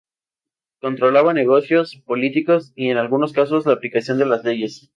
Controlaba negocios, políticos y en algunos casos la aplicación de las leyes.